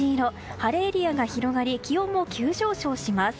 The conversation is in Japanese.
晴れエリアが広がり気温も急上昇します。